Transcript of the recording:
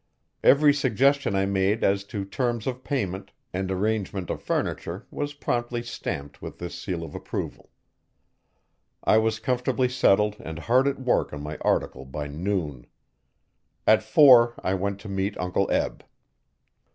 Every suggestion I made as to terms of payment and arrangement of furniture was promptly stamped with this seal of approval. I was comfortably settled and hard at work on my article by noon. At four I went to meet Uncle Eb.